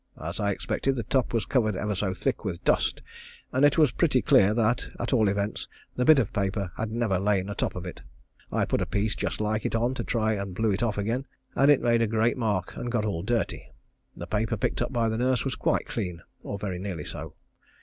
As I expected, the top was covered ever so thick with dust, and it was pretty clear that, at all events, the bit of paper had never lain atop of it. I put a piece just like it on to try and blew it off again, and it made a great mark and got all dirty. The paper picked up by the nurse was quite clean, or very nearly so.